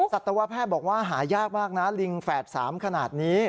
สัตวแพทย์บอกว่าหายากมากนะลิงแฝด๓ขนาดนี้